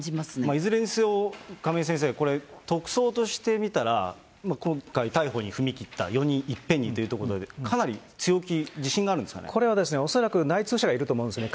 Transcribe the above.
いずれにしろ、亀井先生、これ、特捜としてみたら、今回逮捕に踏み切った、４人いっぺんにというところで、かなり強気、自信があるんですかこれは、恐らく内通者がいると思うんですね。